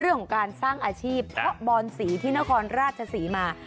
เรื่องของการสร้างอาชีพเพาะบอนสีที่นครราชศรีมา